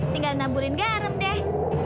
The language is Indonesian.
tinggal naburin garam deh